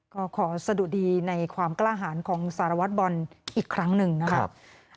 ก็ขอสะดุดีในความกล้าหารของสารวัตรบอลอีกครั้งหนึ่งนะครับ